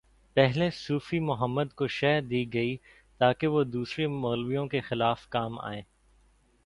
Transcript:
پہلے صوفی محمد کو شہ دی گئی تاکہ وہ دوسرے مولویوں کے خلاف کام آئیں۔